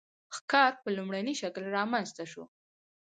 ښکار په لومړني شکل رامنځته شو.